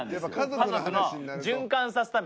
家族を循環させるため。